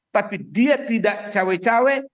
tapi dia tidak cewe cewe